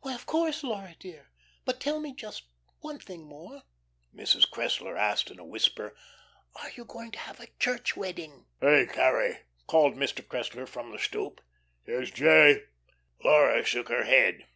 "Why, of course, Laura dear. But tell me just one thing more," Mrs. Cressler asked, in a whisper, "are you going to have a church wedding?" "Hey, Carrie," called Mr. Cressler from the stoop, "here's J." Laura shook her head.